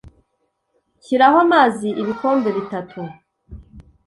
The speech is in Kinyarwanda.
Shyiraho amazi ibikombe bitatu